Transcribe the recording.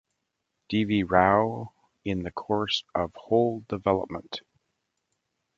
D. V. Rao in the course of whole development.